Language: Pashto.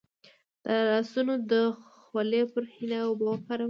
د لاسونو د خولې لپاره د حنا اوبه وکاروئ